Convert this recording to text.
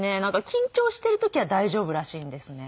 緊張している時は大丈夫らしいんですね。